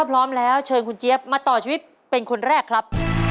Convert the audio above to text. พร้อมแล้วเชิญคุณเจี๊ยบมาต่อชีวิตเป็นคนแรกครับ